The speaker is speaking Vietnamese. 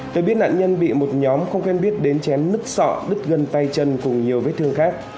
tôi biết nạn nhân bị một nhóm không quen biết đến chém nứt sọ đứt gân tay chân cùng nhiều vết thương khác